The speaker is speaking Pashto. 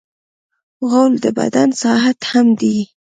غول د بدن ساعت هم دی.